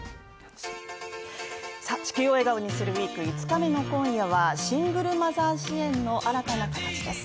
「地球を笑顔にするＷＥＥＫ」５日目の今夜はシングルマザー支援の新たな形です。